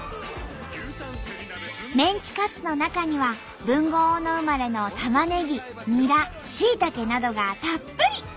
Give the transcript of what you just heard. メンチカツの中には豊後大野生まれのたまねぎにらしいたけなどがたっぷり！